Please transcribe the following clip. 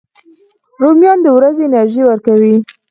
رومیان د ورځې انرژي ورکوي